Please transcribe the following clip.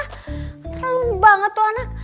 terlalu banget tuh anak